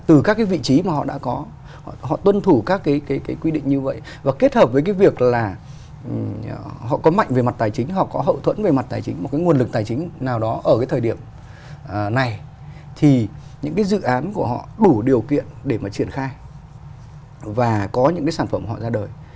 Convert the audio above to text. từ các cái vị trí mà họ đã có họ tuân thủ các cái quy định như vậy và kết hợp với cái việc là họ có mạnh về mặt tài chính họ có hậu thuẫn về mặt tài chính một cái nguồn lực tài chính nào đó ở cái thời điểm này thì những cái dự án của họ đủ điều kiện để mà triển khai và có những cái sản phẩm họ ra đời